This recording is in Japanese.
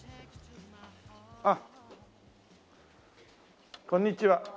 あっこんにちは。